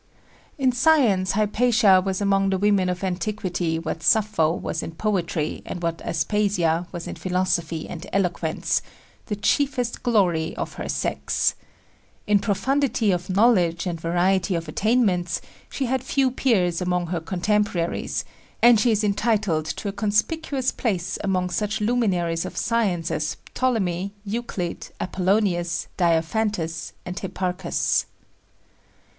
In science Hypatia was among the women of antiquity what Sappho was in poetry and what Aspasia was in philosophy and eloquence the chiefest glory of her sex. In profundity of knowledge and variety of attainments she had few peers among her contemporaries, and she is entitled to a conspicuous place among such luminaries of science as Ptolemy, Euclid, Apollonius, Diophantus and Hipparchus.